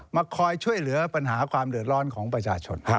มาคอยช่วยเหลือปัญหาความเดือดร้อนของประชาชน